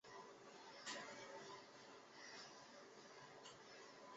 各地文旅部门要强化旅游行业防火防汛措施